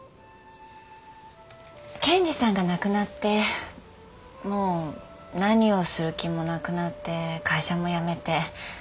健治さんが亡くなってもう何をする気もなくなって会社も辞めて。